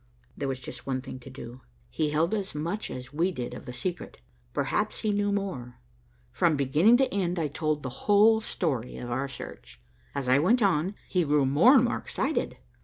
There was just one thing to do. He held as much as we did of the secret. Perhaps he knew more. From beginning to end, I told the whole story of our search. As I went on, he grew more and more excited.